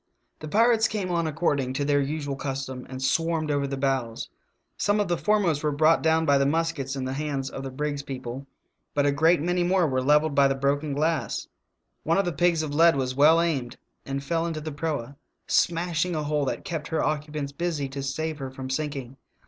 The pirates came on according to their usual custom and swarmed over the bows. Some of the foremost were brought down by the muskets in the hands of the brig's people, but a great many more were levelled by the broken glass. One of the pigs of lead was well aimed and fell into the proa, smashing a hole that kept her occupants busy to save her from sinking.